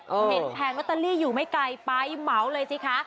เห็นแผงลอตเตอรี่อยู่ไม่ไกลไปเหมาเลยสิคะ